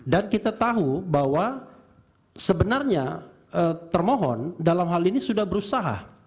dan kita tahu bahwa sebenarnya termohon dalam hal ini sudah berusaha